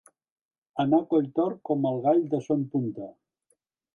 Anar coll tort com el gall de Son Punta.